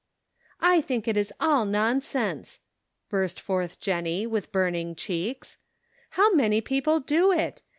" I think that is all nonsense !" burst forth Jennie, with burning cheeks. " How many people do it